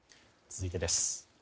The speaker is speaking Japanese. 続いてです。